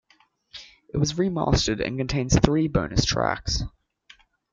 It was remastered and contains three bonus tracks.